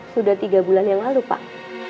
sudah tiga bulan yang lalu pak